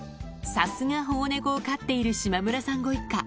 さすが保護猫を飼っている島村さんご一家。